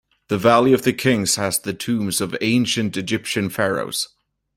The valley of the kings has the tombs of ancient Egyptian pharaohs.